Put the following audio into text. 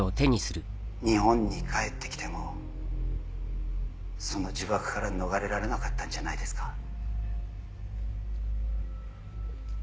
日本に帰って来てもその呪縛から逃れられなかったんじゃないですか？